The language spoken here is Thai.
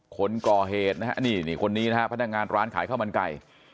คนก่อเหตุนะฮะนี่คนนี้นะฮะพนักงานร้านขายข้าวมันไก่